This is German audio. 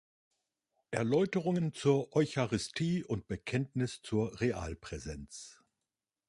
Erläuterungen zur Eucharistie und Bekenntnis zur Realpräsenz.